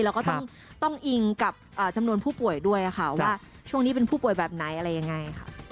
แล้วก็ต้องอิงกับจำนวนผู้ป่วยด้วยค่ะว่าช่วงนี้เป็นผู้ป่วยแบบไหนอะไรยังไงค่ะ